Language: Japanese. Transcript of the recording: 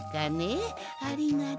ありがとう。